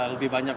lebih banyak lah